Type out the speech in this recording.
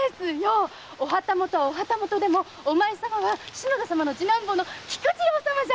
お旗本はお旗本でもお前様は篠田様の次男坊の菊次郎様です！